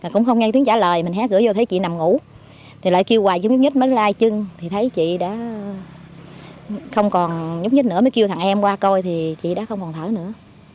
còn nhúc nhích nữa mới kêu thằng em qua coi thì đã không còn thở nữa